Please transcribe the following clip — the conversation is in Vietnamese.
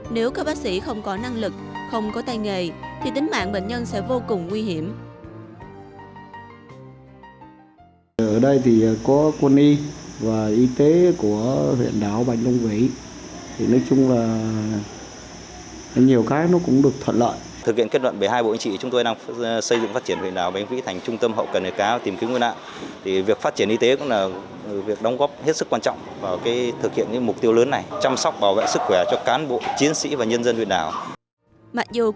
nếu các bác sĩ không có năng lực không có tay nghề thì tính mạng bệnh nhân sẽ vô cùng nguy hiểm